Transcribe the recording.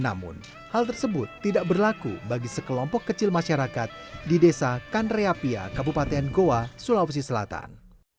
namun hal tersebut tidak berlaku bagi sekelompok kecil masyarakat di desa kandreapia kabupaten goa sulawesi selatan